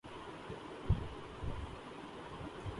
اجلاس میں یہ بھی فیصلہ کیا گیا کہ